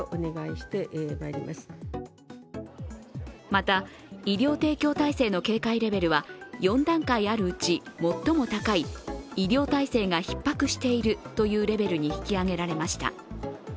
また、医療提供体制の警戒レベルは４段階あるうち最も高い医療体制がひっ迫しているというレベルに引き上げられました。